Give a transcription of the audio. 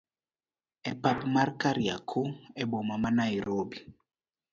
e pap mar kariokor e boma ma Nairobi